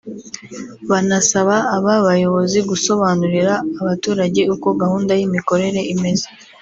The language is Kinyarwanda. banasaba aba bayobozi gusobanurira abaturage uko gahunda y’imikorere imeze